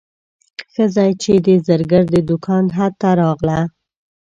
ښځه چې د زرګر د دوکان حد ته راغله.